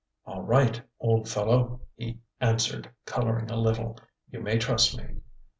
"All right, old fellow," he answered, colouring a little. "You may trust me."